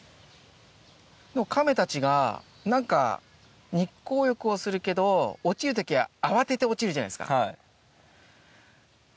カメたちが何か日光浴をするけど落ちる時は慌てて落ちるじゃないですか。